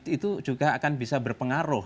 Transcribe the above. itu juga akan bisa berpengaruh